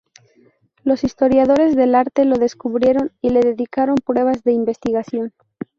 Los historiadores del arte lo descubrieron y le dedicaron pruebas de investigación.